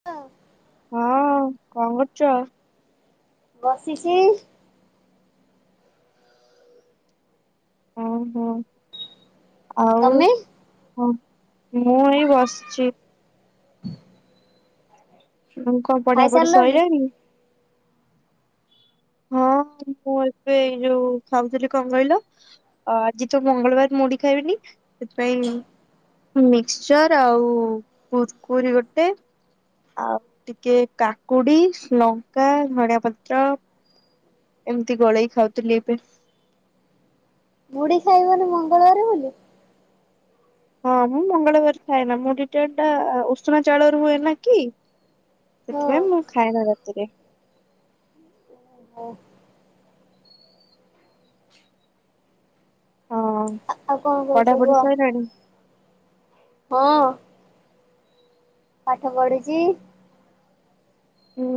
[unintelligible] ହୁଁ କଣ କରୁଛ? ବସିଛି। ହୁଁ ହୁଁ ଆଉ ତମେ [unintelligible] ମୁଁ ଏଇ ବସିଛି। ହଁ କଣ ପଢା ପଢି ଖାଇସାରିଲଣି ସରିଲଣି। ହଁ ମୁଁ ଏବେ ଏଇ ଯୋଉ ଖାଉଥିଲି କଣ କହିଲ। ଅ ଆଜି ତ ମଙ୍ଗଳବାର ମୁଢ ଖାଇବିନି ସେଥିପାଇଁ ମିକ୍ସଚର ଆଉ କୁରକୁରି ଗୋଟେ ଆଉ ଟିକେ କାକୁଡି ଲଙ୍କା ଧଣିଆ ପତ୍ର। ଏମିତି ଗୋଳେଇ ଖାଉଥିଲି ଏବେ। ମୁଢୀ ଖାଇ ବନେ ମଙ୍ଗଳବାର ବୋଲି ହଁ ମୁଁ ମଙ୍ଗଳବାର ଖାଇନା ମୁୋ ମୁଢି ଟା ଉଷୁନା ଚାଉଳ ର ହଏନା କି? ସେଥିପାଇଁ ମୁଁ ହଁ ଖାଏନ ରାତିରେ। ହଁ ଆଉ କଣ କହୁଛ ପଢାପଢି କୁହ। ସଇଲାଣି? ହଁ। ପାଠ ପଢ଼ିଛି। ହୁଁ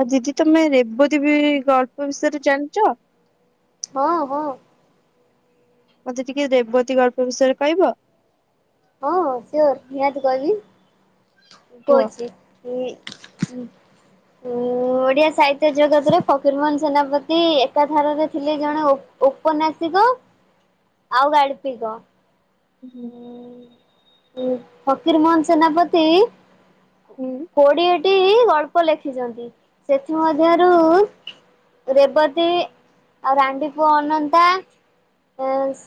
ଆଉ ଦିଦି ତମେ ରେବତୀ ବି ଗଳ୍ପ ବିଷୟରେ ଜାଣିଛ। ହଁ, ହଁ। ମତେ ଟିକେ ରେବତୀ ଗାଳ୍ପ ବିଷୟରେ କହିବ। ହଁ ସିଓର ନିହାତି କହିବି କୁହ? କହୁଛି। [unintelligible] ଓଡ଼ିଆ ସାହିତ୍ୟ ଜଗତରେ ଫକୀରମୋହନ ସେନାପତି ଏକାଧାରରେ ଥିଲେ ଜଣେ ଓ ଉପନ୍ୟାସିକ ଆଉ ଗାଳ୍ପିକ। ହୁଁ। ଉଁ ଫକୀର ମୋହନ ସେନାପତି ହୁଁ କୋଡିଏ। ଗଳ୍ପ ଲେଖିଛନ୍ତି ସେଥି ମଧ୍ୟରୁ। ରେବତୀ ଆଉ! ! ! ! ! ! ! ! ! ! ପୁଅ ଅନନ୍ତା। ଓସ୍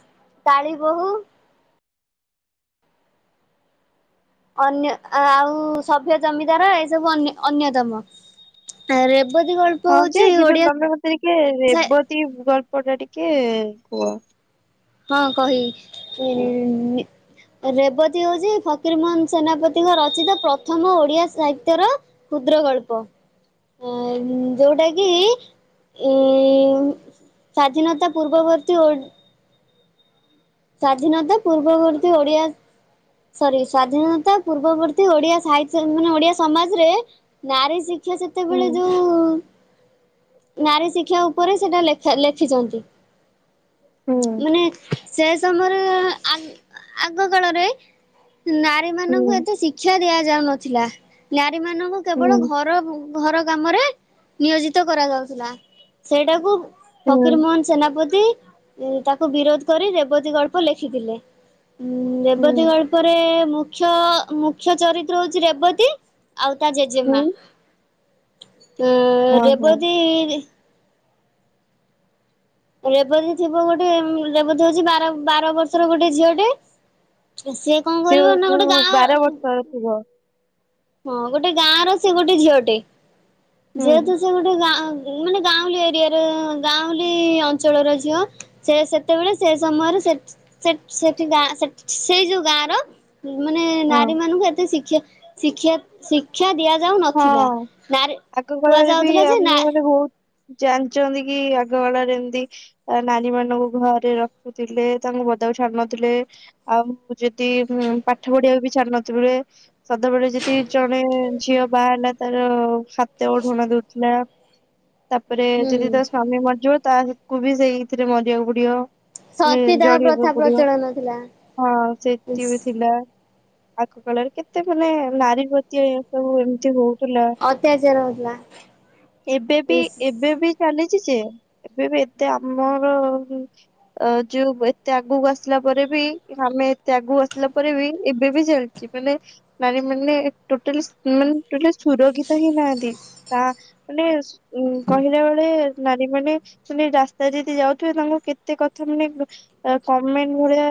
କାଳିୀ ବୋହୂ। ଅନ୍ୟ ଆଉ ସଭ୍ୟ ଜମିଦାର ଏସବୁ ଅନ୍ୟ ଅନ୍ୟତମ। ଆ ରେବତୀ ଗଳ ହଁ ଯେ କିନ୍ତୁ ତମେ ମତେ ଟିକେ ରେବତୀ ଗଳ୍ପ ଟା ଟିକେ କୁହ। ହଁ କହି ଇ। ରେବତୀ ହଉଛି ଫକୀର ମୋହନ ସେନାପତିଙ୍କ ରଚିତ ପ୍ରଥମ ଓଡିଆ ସାହିତ୍ୟର। କ୍ଷୁଦ୍ର ଗଳ୍ପ ଆଁ ଯୋଉଟା କି। ଉଁ ସ୍ଵାଧୀନତା ପୂର୍ବବର୍ତ୍ତୀ ଓ ସ୍ୱାଧୀନତା ପୂର୍ବବର୍ତ୍ତୀ ଓଡିଆ। ସରି ସ୍ଵାଧୀନତା ପୂର୍ବବର୍ତ୍ତୀ ଓଡିଆ ସାହିତ୍ୟ ମାନେ ଓଡିଆ ସମାଜରେ। ନାରୀ ଶିକ୍ଷା ହୁଁ ସେତେବେଳେ ଯୋଉ। ନାରୀ ଶିକ୍ଷା ଉପରେ ସେଇଟା ଲେଖା ଲେଖିଛନ୍ତି ହୁଁ ମାନେ। ସେ ସମୟରେ ଆଗ କାଳରେ ନାରୀ ହୁଁ ମାନଙ୍କୁ ଏତେ ଶିଖ୍ ଶିକ୍ଷା ଦିଆଯାଉନଥିଲା ନାରୀ ମାନଙ୍କୁ ହୁଁ କେବଳ ଘର। ଘର କାମରେ ନିୟୋଜିତ କରାଯାଉଥିଲା ସେଇଟାକୁ। ହୁଁ ଫକୀରମୋହନ ସେନାପତି ତାକୁ ବିରୋଧ କରି ରେବତୀ ଗଳ୍ପ ଲେଖିଥିଲେ। ଉଁ ରେବତୀ ହୁଁ ଗଳ୍ପରେ ମୁଖ୍ୟ ମୁଖ୍ୟ ଚରିତ୍ର ହଉଛି ରେବତୀ। ଆଉତା ହୁଁ ଜେଜେମା ଏଁ ହଁ ହଁ ରେବତୀ। ରେବତୀ ଥିବ ଗୋଟେ ଉଁ ରେବତୀ ହଉଛି ବାର ବାର ବର୍ଷର ଗୋଟେ ଝିଅଟେ। ଏ ସିଏ। କଣ କରିବ ସିଏ ନା ଗୋଟେ ଯୋଉ ଗାଁ ବାର ବର୍ଷର ଥିବ। ହଁ ଗୋଟେ ଗାଁ ର ସେ ଗୋଟେ ଝିଅ ଟେ ହୁଁ ଯେହେତୁ ସେ ଗୋଟେ ଗାଁ ମାନେ ଗାଁଉଲି ଏରିଆର ଗାଁଉଲି ଅଞ୍ଚଳର ଝିଅ। ସେ ସେତେବେଳେ ସେ ସମୟରେ ସେଠି ସେ ସେଠି ଗାଁ ସେଠି ସେଇ ଯୋଉ ଗାଁର। ମାନେ ହଁ ନାରୀ ମାନଙ୍କୁ ଏତେ ଶିକ୍ଷା ଶିକ୍ଷା। ଶିକ୍ଷା ଦିଆ ଯାଉ ନଥିଲା ହଁ ନାରୀ ଆଗ କୁହା କାଳରେ ବି ଯାଉଥିଲା ଯେ ଆମେ ନା ମାନେ ବହୁତ ଜାଣିଛନ୍ତି କି ଆଗ କଳାରେ ଏମତି। ନାରି ମାନଙ୍କୁ ଘରେ ରଖୁଥିଲେ ତାଙ୍କୁ ପଦା କୁ ଛାଡୁ ନଥିଲେ। ଆଉ ଯଦି ଉଁ ପାଠ ପଢିବାକୁ ବି ଛାଡୁ ନଥିବଲେ। ସଦେ ବେଳେ ଯଦି ଜଣେ ଝିଅ। ବାହା ହେଲା ତାର ହାତେ ଓଢୁଣା ଦଉଥିଲା। ତାପରେ ହୁଁ ଯଦି ତା ସ୍ଵାମୀ ମରିଯିବ ତା ହେକୁ ବି ସେଇ ଥିରେ ମରିବାକୁ ପଡିବ। ମାନେ ସତୀଦାହ ପ୍ରଥା ଜଳିବାକୁ ପଡିବ ପ୍ରଚଳନ ଥିଲା। ହଁ ସେ ଟି ବି ଥିଲା। ଆଗ କାଳରେ କେତେ ମାନେ ନାରୀ ପ୍ରତି ଏ ସବୁ ଏମିତି ବହୁତ। ଥିଲା ଅତ୍ୟାଚାର ହଉଥିଲା। ଏବେବି ଏବେବି। ଚାଲିଛି ଯେ ଏବେ ବି ଏତେ ଆମର। ଅ ଯୋଉ ଏତେ ଆଗକୁ ଆସିଲା ପରେ ବି ଆମେ ଏତେ ଆଗକୁ ଆସିଲା ପରେ ବି ଏବେ ବି ଜଳ ମାନେ ନାରୀ ମାନେ ଟୋଟାଲ ମେ ସୁରକ୍ଷିତ ହିଁ ନାହାନ୍ତି ତା ମାନେ ଉ କହିଲା ବେଳେ। ନାରୀ ମାନେ ସେ ରାସ୍ତାରେ ଯଦି ଯାଉଥିବେ ତାଙ୍କୁର କେତେ କଥା ମାନେ। କମେଣ୍ଟ ଭଳିଆ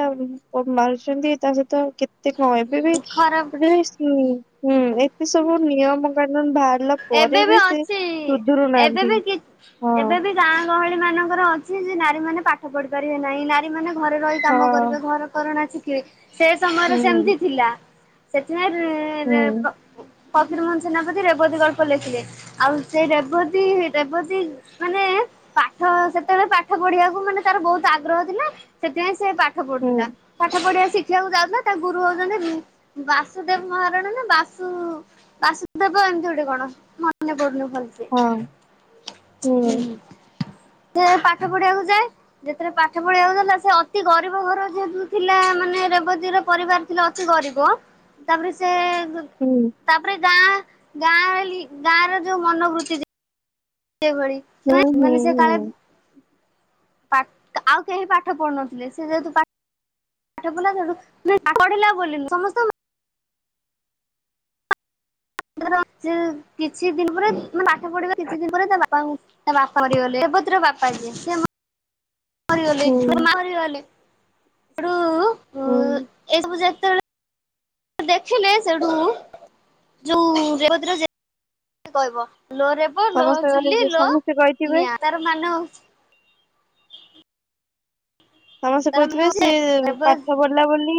ମାରୁଛନ୍ତି ତା ସହିତ। ଏ କହିବେ ବି ଖରାପ ହୁଁ ଏତେ ସବୁ ନିୟମ କାନୁନ ବାହାରିଲା ପରେ ଏବେ ବି ସେ ଅଛି ସୁଧୁରୁ ନାହାନ୍ତି ଏବେବି କି ହଁ ଏବେବି ଗାଁ ଗହଳି ମାନଙ୍କର ଅଛି ଯେ ନାରୀ ମେ ପାଠ ପଢି ପାରିବେ ନାହିଁ ନାର ରୀ ମାନ ଘରେ ରହି କାମ କରିବେ ହଁ ଘର କରଣା ଶିଖିବେ ସେ ସମୟରେ ସେମତି ହୁଁ ଥିଲା। ସେଥିପାଇଁ ହୁଁ ପକୀରମୋହନ ସେନାପତି ରେବତୀଗଳ୍ପ ଲେଖିଲେ। ଆଉ ସେଇ ରେବତୀ ରେବତୀ। ମାନେ ପାଠ ସେତେବେଳେ ପାଠ ପଢିବାକୁ ମାନେ ତାର ବହୁତ ଆଗ୍ରହ ଥିଲା। ସେଥିପାଇଁ ସେ ପାଠ ହୁଁ ପଢୁଥିଲା ପାଠ ପଢିବା ଶିଖ ଦେଖିବାକୁ ଯାଉଥିଲା ତା ଗୁରୁ ହଉଛନ୍ତି ବାସୁଦେବ ମହାରଣ ନା ବାସୁ ବାସି ଦେବ ଏମିତି ଗୋଟେ କଣ। ମନେ କରୁ ଭଲ ସେ ହଁ ହୁଁ। ସେ ପାଠ ପଢିବାକୁ ଯାଏ। ଯେତଥିରେ ପାଠ ପଢିବାକୁଥିଲା ସେ ଅତି ଗରିବ ଘର ଯେହେତୁ ଥିଲା ମାନେ ରେବତୀର ପରିବା ଅଛି ଗରିବ ତାପରେ ସେ ହୁଁ। ତାପରେ ଗାଁ ଗାଁ ଗାଁ ର ଯୋଉ ମନୋବୃତ୍ତି ସେ ହୁଁ [unintelligible] ହୁଁ ମାନେ ସେ କାଳେ। ହୁଁ ପା ଆଉ କେହି ପାଠ ପଢୁନଥିଲେ ସେ ଯେହେତୁ ପା। ପାଠ ପଲା ସେଠୁ ନା ପଢିଲା ବି ସମସ୍ତେ [unintelligible] କିଛି ଦିନ ପରେମେ ପାଠ ପଢିବା କିଛି ଦିନ ପରେ ତା ବାପାଙ୍କୁ ତା ବାପା ମରିଗଲେ ରେବତୀର ବାପା ଯିଏ। ରିଗରିଗୁ ପା ହୁଁ ହୁଁ [unintelligible] ଦେଖିଲେ ସେଡୁ। ଯୋଉ ରେବତୀର ଜେ [unintelligible] କହିବ ଲୋ। ର ଲୋ ସମସ୍ତେ ଚୁଲି କହିବେ ଲୋ ସମସ୍ତେ କହିଥିବେ ନିଆଁ ତାର ମନେ ହଉଚି। ସମସ୍ତେ ତାର ମାନେ କହୁଥିବେ ହଉଛି ସିଏ ରେବ ପାଠ ପଢିଲା ବୋଲି।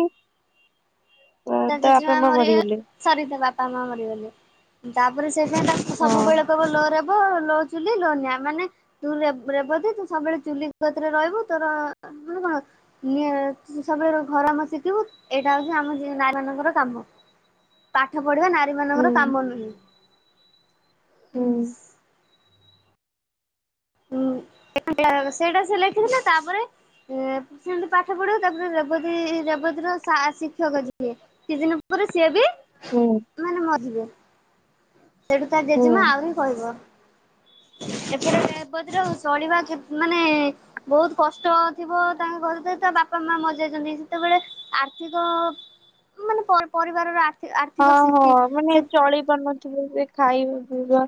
ତ ତା ବାପା ମା ମରିଗଲେ। ସରି ତା ବାପା ମା ମରିଗଲେ ତାପରେ ସେଇଥିପାଇଁ ତା ହଁ ସବୁବେଳେ କହିବ ଲୋ ରେବ ଲୋ ଚୁଲିଲୁନିଆ ମାନେ। ତୁ ରେବତୀ ତୁ ସବୁବେଳେ ଚୁଲିତିରେ ରହିବୁ ତୋର ମନେ କଣ। ନି ସବୁ ଘର ଆମ ଶିଖିବୁ ଏଇଟା ହେଉଛି ଆମେ ନାରୀ ମାନଙ୍କର କାମ ପାଠ ପଢିବା ନାରୀ ମାନଙ୍କର ହୁଁ କାମ ନୁହେଁ। ହୁଁ। ହଁ ସେଇଟା ସେ ଲେଖିଥିଲେ ତାପରେ। ଏ ସେମିତି ପାଠ ପଢିବ ତାପରେ ରେବବୀ ରେବତୀର ସା ଶିକ୍ଷକ ଯିଏ। ଛି ଦିନ ପରେ ସିଏ ବି। ହୁଁ। ମାନେ ମରିଯିବେ। ସେଠୁ ତା ହୁଁ ଜେଜେମା ଆଉରି କହିବ। ଏଥିରେ ରେବତୀର ଶୁଣିବା କ୍ଷ ମାନେ [inaudible] ବହୁତ କଷ୍ଟ ଥିବ ତାଙ୍କ ଘରେ ତ ତା ବାପା ମା ମରିଯାଇଛନ୍ତି ସେତବେଳେ ଆର୍ଥିକ ମାନେ ପ ପରିବାରର ଆ ହଁ ହଁ ମାନେ ଚଳି ପାରୁନଥିବେ ସେ ଖାଇବା ପିଇବା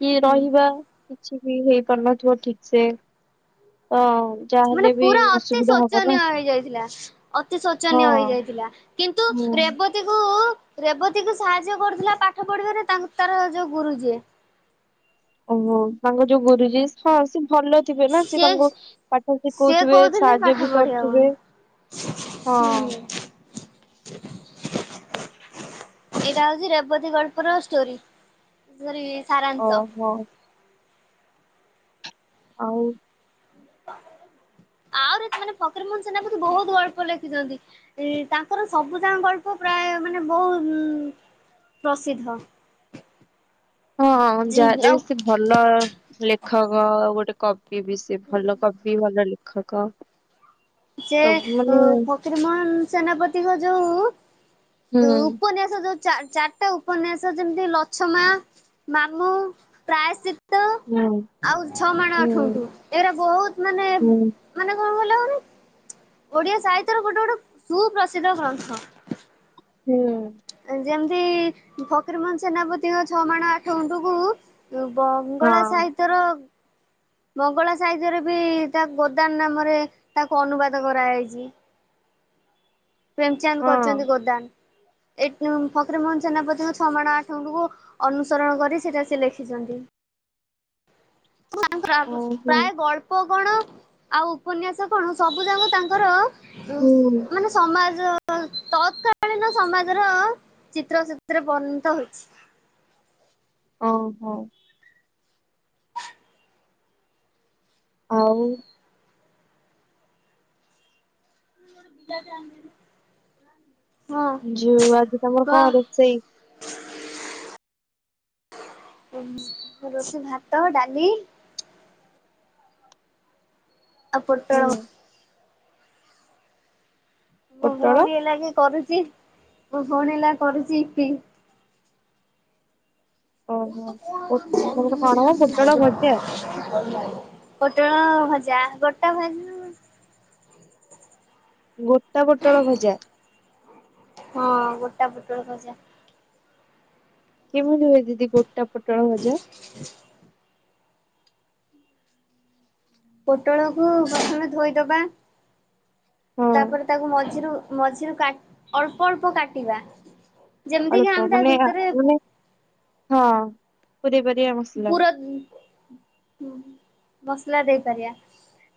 କି ରହିବା। କିଛି ବି ହେଇପାରୁନଥିବ ଠିକ ସେ ତ ମାନେ ଯାହାହେଲେ ବି ପୁରା ଅତି ଅସୁବିଧା ହବ ଶୋଚନୀୟ ନା ହେଇଯାଇଥିଲା ଅତି ହଁ ଶୋଚନୀୟ ହେଇଯାଇଥିଲା କିନ୍ତୁ ହୁଁ ରେବ ତିକୁ ରେବତୀକୁ ସାହାଯ୍ୟ କରୁଥିଲା ପାଠ ପଢିବାରେ ତାଙ୍କୁ ତାର ଯୋଉ ଗୁରୁ ଯିଏ। ଓହୋ ତାଙ୍କ ଯୋଉ ଗୁରୁଜୀ ଯିଏ ହ ସେ ଭଲ ଥିବେ ନା ସେ ସିଏ ତାଙ୍କୁ ପାଠ ସିଏ ଶିଖଉଥିବେ କହୁଥିଲେ ସାହାଯ୍ୟ ପାଠ ବି ପଢିବା ପାଇଁ କରୁଥିବେ। ହଁ ହୁଁ। ଏଇଟା ହଉଛି ରେବତୀ ଗଳ୍ପର ଷ୍ଟୋରି। ସରି ସାରାଂଶ। ହଁ। ଆଉ ଆହୁରି ମାନେ ଫକୀର ମୋହନ ସେନାପତି ବହୁତ ଗଳ୍ପ ଲେଖିଛନ୍ତି। ଏ ତାଙ୍କର ସବୁ ଯାଙ୍କ ଗଳ୍ପ ପ୍ରାୟ ମାନେ ବହୁ ପ୍ରସିଦ୍ଧ। ହଁ ହଁ ଜି ଯାହା ଆଉ ବି ସେ ଭଲ ଲେଖକ ଆଉ ଗୋଟେ କବି ବି ବି ସେ ଭଲ କବି ଭଲ ଲେଖକ। ସେ ସବୁ ମାନେ ଫକୀରମୋହନ ସେନାପତିଙ୍କ ଯୋଉ ହୁଁ ତୋ ଉପନ୍ୟାସ ଯୋଉ ଚା ଚାରିଟା ଉପନ୍ୟାସ ଯେମିତି ଲଛମା ମାମୁଁ ପ୍ରାୟଶ୍ଚି ତ ହୁଁ ଆଉ ଛଅ ମାଣ ଆଠ ହୁଁ ଗୁଣ୍ଟୁ ଏରା ବହୁତ ମାନେ ହୁଁ ମାନେ କଣ କହିଲ ମାନେ ଓଡିଆ ସାହିତ୍ୟର ଗୋଟେ ଗୋଟେ ସୁପ୍ରସିଦ୍ଧ ଗ୍ରନ୍ଥ। ହୁଁ। ଯେମିତି ଫକୀରମୋହନ ସେନାପତିଙ୍କ ଛଅ ମାଣ ଆଠ ଗୁଣ୍ଠୁକୁ ବ ହଁ ବଙ୍ଗଳା ସାହିତ୍ୟର ମଙ୍ଗଳା ସାହିତ୍ୟରେ ବି ତା ଗୋଦାନ ନାମରେ ତାକୁ ଅନୁବାଦ କରାଯାଇଚି। ପ୍ରେମଚାନ୍ଦ ହଁ କରୁଛନ୍ତି ଗୋଦାନ। ଏ ଫକରୀମୋହନ ସେନାପତିଙ୍କ ଛମାଣ ଆଠଙ୍କୁ ଅନୁସରଣ କରି ସେଟା ସେଲେଖିଛନ୍ତି। [unintelligible] ଓହୋ ପ୍ରାୟ ଗଳ୍ ଉପ କଣ ଆଉ ଉପନ୍ୟାସ କଣ ସବୁ ଯାକ ତାଙ୍କର ଉ ହୁଁ। ମାନେ ସମାଜ ତ ତତ୍କାଳୀନ ସମାଜର ଚିତ୍ର ସେଥିରେ ପରିଣତ ହୋଇଛି। ଓହୋ। ଆଉ ହଁ ଯୋଉ ଆଜି ତମର କଣ କହ। ରୋଷେଇ? ରୋଷେଇ ଭାତ ଡାଲି ଆଉ ପୋଟଳ। ହୁଁ। ମୋ ପୋଟଳ ଭଉଣୀ ହେଲାକି କରୁଚି ମୋ ଭଉଣୀ ହେଲା କରୁଚି ୟିପି। ଓହୋ। ପୋ- ତମର କଣ ମ ପୋଟଳ ଭଜା ପୋଟଳ ଭଜା ଗୋଟା ଭାଜୁ ଗୋଟା ପୋଟଳ ଭଜା। ହଁ ଗୋଟା ପୋଟଳ ଭଜା କେମିତି ହୁଏ ଦିଦି ଗୋଟା ପୋଟଳ ଭଜା? [inaudible] ପୋଟଳକୁୁ ପ୍ରଥମେ ଧୋଇଦବା। ହଁ ତାପରେ ତାକୁ ମଝିରୁ ମଝିରୁ କାଟ ଅଳ୍ପ ଅଳ୍ପ କାଟିବା। ଯେମିତିକି ଅଳ୍ପ ଆମେ ତା ମାନେ ଆ ଭିତରେ ମାନେ ହଁ ପୁରେଇ ପରିଆ ଆଉ। ପୁର ହଁ ମସଲା ଦେଇପାରିଆ।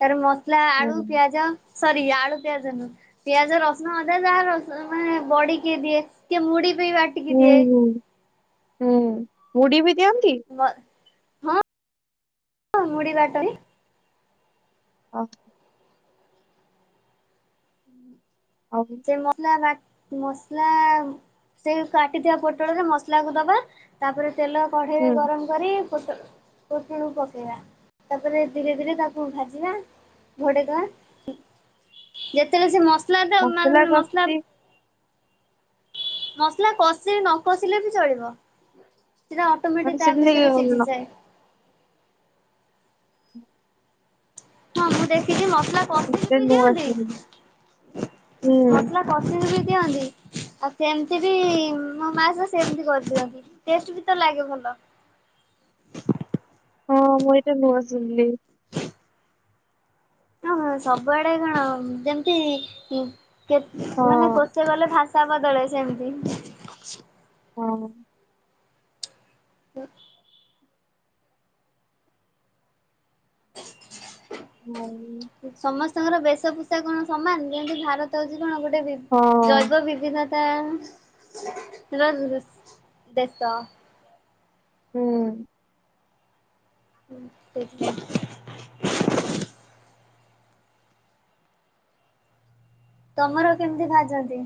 ଏାର ମସଲା ହୁଁ ଆଳୁ ପିଆଜ ସରି ଆଳୁ ପିଆଜ ନୁହଁ। ପିଆଜ ରସୁଣ ଅଦା ଯାହା ର ମାନେ ବଡି କି ଦିଏ କିଏ ମୁଡି ବି ବାଟ ହୁଁ ହୁଁ ହୁଁ ମୁଡି ବି ଦିଅନ୍ତି? ମ ହଁ ମୁଡି ବାଟଇ। ଓହ। ଆଉ। ସେ ମସଲା ବାଟ ମସଲା ସେଇ କାଟିଥିବା ପୋଟଳରେ ମସଲା କୁ ଦବା। ତାପରେ ତେଲ କଢ଼େଇରେ ହୁଁ ଗରମ କରି। ପୁଟ ପୋଟଳ କୁ ପକେଇଆ ତାପରେ ଧୀରେ ଧୀରେ ତାକୁ ଭାଜିବା। ଘୋଡେଇ ଦବା ଯେତେବେ ସେ ମସଲା। ଟା ମା ମସଲା କସିଚି। ମସଲା କଷି ନ କଷିଲେ ବି ଚଳିବ ସେଟା ମାନେ ଅଟୋମେଟିକ ତା ସେମିତି ଭିତରେ ନ- ସିଝିଯାଏ। ହଁ ମୁଁ ଦେଖିଛି ମସଲା। କଷିକି ଏବେ ବି ନୂଆ ଦିଅନ୍ତି କିଣି ହୁଁ। କସିବିଶି ଦିଅନ୍ତି ଆଉ ସେମିତି ବି ମୋ ମା ସହ ସେମିତି କରିଦିଅନ୍ତି। ଟେଷ୍ଟ ବି ତ ଲାଗେ ଭଲ। ହଁ ମୁଁ ଏଟା ନୁଆ ଶୁଣିଲି। ହ ହ ସବୁଆଡେ କଣ ଯେମିତି ଉଁ କତେ ହଁ ମାନେ କୋଷେ ଗଲେ ଘାସ ତା ବଦଳେ ସେମିତି। ହଁ। ହୁଁ। ହୁଁ ଉଁ। ସମସ୍ତଙ୍କର ବେଶ ଭୁଷା କଣ ସମାନ ଯେମତି ଭାରତ ହଉଛି କଣ ଗୋଟେ ବି ହଁ। ଜୈବ ବିଭିନ୍ନତାର ଦେଶ। ହୁଁ। ହ ସେସ ତମର କେମତି ଭାଜନ୍ତି?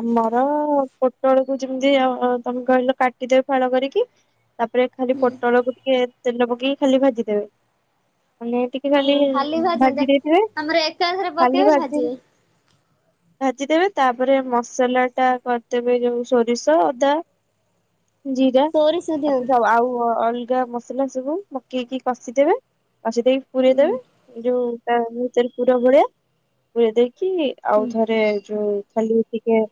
ଆମର ପୋଟଳକୁୁ ଯିମିତି ଆ ତମେ କହିଲ କାଟିଦଉ ଫାଳ କରିକି। ତାପରେ ଖାଲି ହୁଁ। ପୋଟଳକୁ ଟିକେ ତେଲ ପକେଇକି ଖାଲି ଭାଜିଦେବେ। ମାନେ ଟିକ ଟିକେ ଓହୋ ଖାଲି ଭାଜନ୍ତି ଭାଜି ଦେଇଥିବେ। ଆମର ଏକାଥରେ ଖାଲି ପକେଇବେ ଭାଜି। ଭାଜିବେ। ଭାଜିଦେବେ ତାପରେ ମସ ମସଲା ଟା କରିଦେବେ ଯୋଉ ସୋରିଷ ଅଦା। ଜିରା ସୋରିଷ ତାପରେ ଦିଅନ୍ତି ଆଉ ଅ ଅଲଗା ମସଲା ସବୁ ପକେଇକି କଷିଦେବେ। କଷି ଦେଇକି ପୁରରେଇ ହୁଁ ଦେବେ ଯୋଉ ତା ଭିତେରେ ପୁର ଭଳିଆ ପୁରଇ ଦେଇକି। ଆଉ ହୁଁ ଥରେ ଯୋଉ ଖାଲି ଟିକେ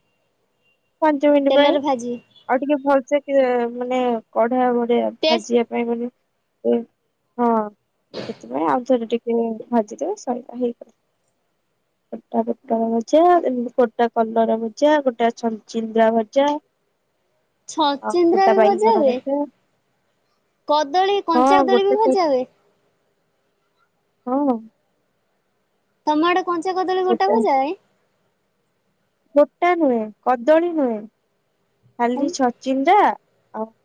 ପାଞ୍ଚ ମିଣ୍ଟି ପାଇଁ। ତେଲରେ ଭାଜିବେ ଆଉ ଟିକେ ଭଲସେ କି ମାନେ କଢା ଭଡିଆ ଟେଷ୍ଟ ଭାଜିିଆ। ନାଇଁ ମାନେ ହୁଁ ହଁ ସେଥିପାଇଁ ଆଉଥରେ ଟିକ ହୁଁ ଭାଜିଦେବେ ସଇଲା ହେଇଗଲା, କଟା ପୋଟଳ ଭଜା ଏମିତି କୋଟା କଲରା ଭଜା ଗୋଟା ଛଚିନ୍ଦ୍ରା ଭଜା। ଆଉ ଛଚିନ୍ଦ୍ରା ଗୋଟା ବି ବାଇଗଣ ହୁଏ ଭଜା। କଦଳୀ କଞ୍ଚା ହଁ କଦଳୀ ବି ଗୋଟେ ଛ ଭଜା ହୁଏ? ହଁ। ତମ ଆଡେ କଞ୍ଚା କଦଳୀ ଗୋଟା ଭଜା ହୁଏ? ଗୋଟା ନୁହେଁ କଦଳୀ ନୁହେଁ ଖାଲି ଛଚି୍ନ୍ଦ୍ ରା ଆଉ